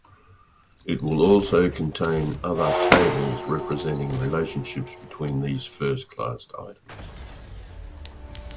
It will also contain other tables representing relationships between these first class items.